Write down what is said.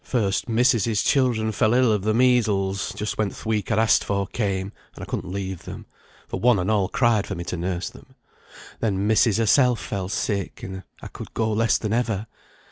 First, missis's children fell ill of the measles, just when th' week I'd ask'd for came, and I couldn't leave them, for one and all cried for me to nurse them. Then missis herself fell sick, and I could go less than ever.